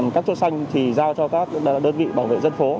các chốt xanh thì giao cho các đơn vị bảo vệ dân phố